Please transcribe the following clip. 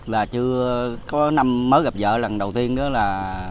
và chưa có năm mới gặp vợ lần đầu tiên nữa là